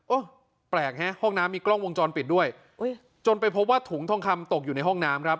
แปลกฮะห้องน้ำมีกล้องวงจรปิดด้วยจนไปพบว่าถุงทองคำตกอยู่ในห้องน้ำครับ